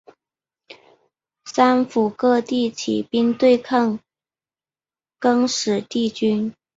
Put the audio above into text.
三辅各地起兵对抗更始帝军。